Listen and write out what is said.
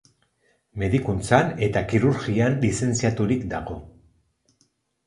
Medikuntzan eta kirurgian lizentziaturik dago.